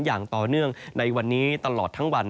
อย่างต่อเนื่องในวันนี้ตลอดทั้งวัน